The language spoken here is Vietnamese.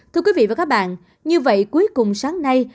thưa quý vị và các bạn như vậy cuối cùng sáng nay